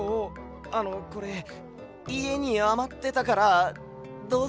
あのこれいえにあまってたからどうぞ。